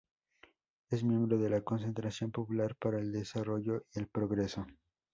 Es miembro de la Concentración Popular para el Desarrollo y el Progreso.